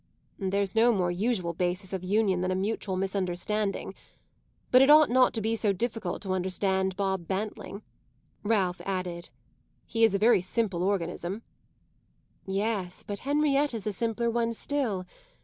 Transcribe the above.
"There's no more usual basis of union than a mutual misunderstanding. But it ought not to be so difficult to understand Bob Bantling," Ralph added. "He is a very simple organism." "Yes, but Henrietta's a simpler one still.